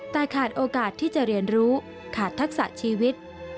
แต่ขาดโอกาสที่จะเรียนรู้ขาดทักษะชีวิต